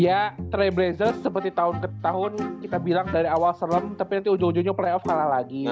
iya trailblazers seperti tahun ke tahun kita bilang dari awal serem tapi nanti ujung ujungnya playoff kalah lagi ya